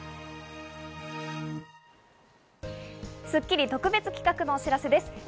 『スッキリ』特別企画のお知らせです。